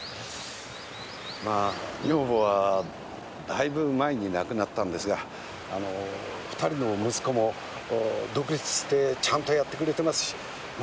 まあ女房はだいぶ前に亡くなったんですがあの２人の息子も独立してちゃんとやってくれてますしま